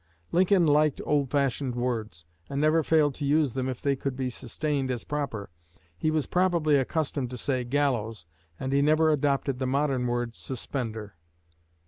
Lincoln liked old fashioned words, and never failed to use them if they could be sustained as proper. He was probably accustomed to say 'gallows,' and he never adopted the modern word 'suspender.'"